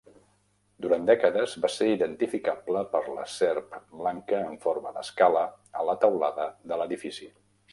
Durant dècades va ser identificable per la serp blanca en forma d'escala a la teulada de l'edifici.